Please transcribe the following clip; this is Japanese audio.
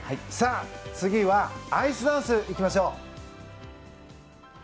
次はアイスダンスいきましょう！